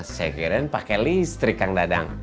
saya kirain pake listrik kang dadang